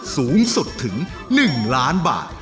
สูงสุดถึง๑ล้านบาท